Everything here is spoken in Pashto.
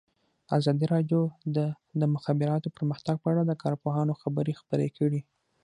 ازادي راډیو د د مخابراتو پرمختګ په اړه د کارپوهانو خبرې خپرې کړي.